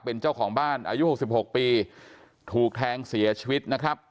เป็นเจ้าของบ้านอายุ๖๖ปีถูกแทงเสียชีวิตนะครับ